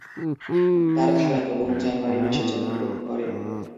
তার খালাতো বোন জানুয়ারি মাসে জন্মগ্রহণ করে।